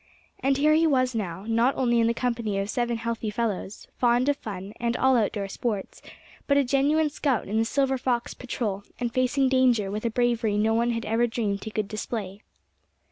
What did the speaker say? And here he was now, not only in the company of seven healthy fellows, fond of fun, and all outdoor sports; but a genuine scout in the Silver Fox Patrol, and facing danger with a bravery no one had ever dreamed he could display.